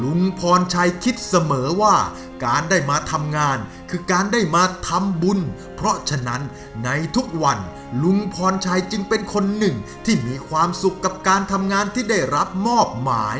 ลุงพรชัยคิดเสมอว่าการได้มาทำงานคือการได้มาทำบุญเพราะฉะนั้นในทุกวันลุงพรชัยจึงเป็นคนหนึ่งที่มีความสุขกับการทำงานที่ได้รับมอบหมาย